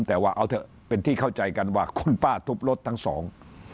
แต่ว่าเอาเถอะเป็นที่เข้าใจกันว่าคุณป้าทุบรถทั้งสอง